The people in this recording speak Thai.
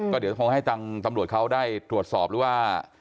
ก็เดี๋ยวคงให้ทางตำรวจเขาได้ตรวจสอบหรือว่า